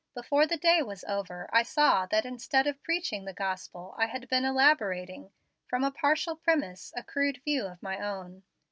Before the day was over I saw that instead of preaching the gospel I had been elaborating, from a partial premise, a crude view of my own.